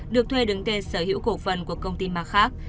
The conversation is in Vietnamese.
được thuê đứng tên sở hữu cổ phân của công ty mà khác